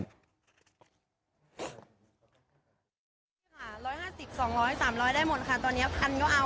ค่ะร้อยห้าสิบสองร้อยสามร้อยได้หมดค่ะตอนเนี้ยพันก็เอาค่ะ